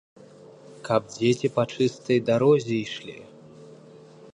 Каб дзеці па чыстай дарозе ішлі!